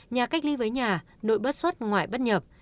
nhà cách ly với nhà nội bất xuất ngoại bất nhập